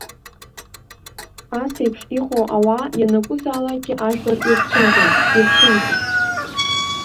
Асеиԥш иҟоу ауаа ианакәзаалакгьы ажәлар ирцәымӷәын, ирцәымӷуп.